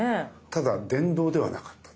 ただ電動ではなかったんですよ。